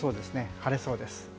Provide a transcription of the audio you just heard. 晴れそうです。